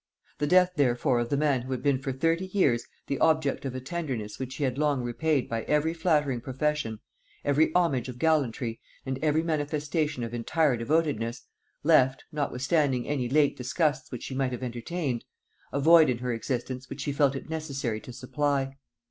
The death therefore of the man who had been for thirty years the object of a tenderness which he had long repaid by every flattering profession, every homage of gallantry, and every manifestation of entire devotedness, left, notwithstanding any late disgusts which she might have entertained, a void in her existence which she felt it necessary to supply.